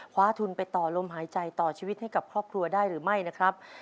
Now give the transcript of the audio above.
คว้าทุนไปต่อลมหายใจต่อชีวิตให้กับครอบครัวได้หรือไม่นะครับ